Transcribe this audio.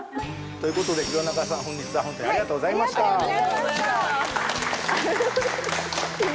という事で弘中さん本日は本当にありがとうございました。